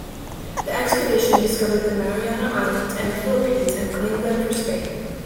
The expedition discovered the Mariana Islands and the Philippines and claimed them for Spain.